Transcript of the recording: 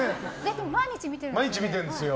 毎日、見てるんですよ。